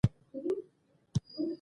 • ونه د شنو ساحو زیاتوالي ته مرسته کوي.